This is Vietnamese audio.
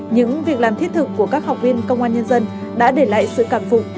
những việc làm thiết thực của các học viên công an nhân dân đã để lại sự cảm phục